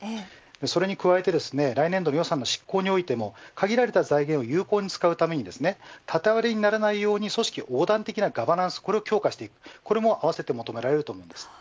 それに加えて来年度の予算執行において限られた財源を有効に使うために縦割りにならないように組織の横断的なガバナンスを強化するこれもあわせて求められます。